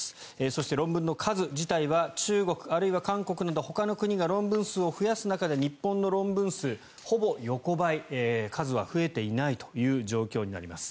そして、論文の数自体は中国あるいは韓国などほかの国が論文数を増やす中で日本の論文数ほぼ横ばい、数は増えていないという状況になります。